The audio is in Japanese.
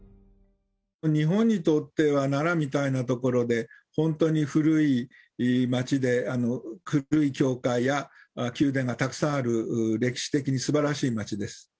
日本にとっては奈良みたいな所で、本当に古い街で、古い教会や宮殿がたくさんある、歴史的にすばらしい街です。